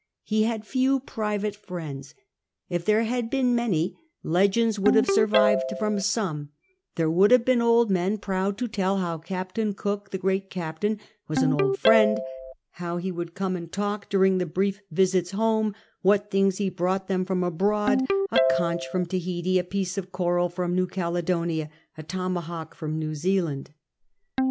He had few private friends ; if there had been many, legends would have survived from some ; there would have been old men proud to tell how Captain Cook — the great captain — was an old friend ; how he would come and talk during the brief visits home ; what things he brought them from abroad, — a conch from Tahiti, a piece of coral from New Caledonia^ a tomahawk from New Zealand.